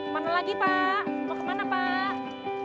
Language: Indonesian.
mana lagi pak mau ke mana pak